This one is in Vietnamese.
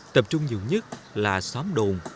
tập trung nhiều nhất là xóm đồn